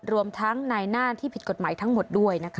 รวมทั้งนายหน้าที่ผิดกฎหมายทั้งหมดด้วยนะคะ